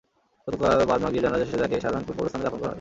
গতকাল বাদ মাগরিব জানাজা শেষে তাঁকে শাহজাহানপুর কবরস্থানে দাফন করা হয়।